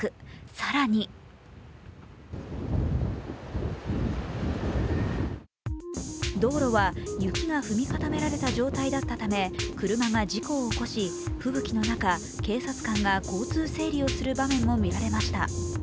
更に道路は雪が踏み固められた状態だったため車が事故を起こし吹雪の中、警察官が交通整理をする場面も見られました。